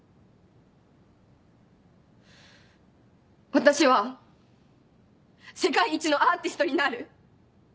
私は世界一のアーティストになる。